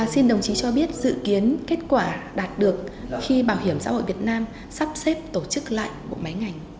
xin đồng chí cho biết dự kiến kết quả đạt được khi bảo hiểm xã hội việt nam sắp xếp tổ chức lại bộ máy ngành